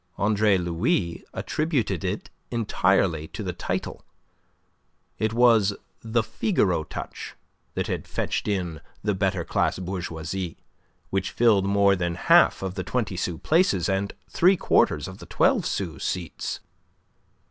Andre Louis attributed it entirely to the title. It was the "Figaro" touch that had fetched in the better class bourgeoisie, which filled more than half of the twenty sous places and three quarters of the twelve sous seats.